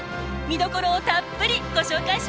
見どころをたっぷりご紹介します！